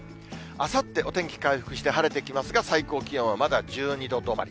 あさって、お天気回復して、晴れてきますが、最高気温はまだ１２度止まり。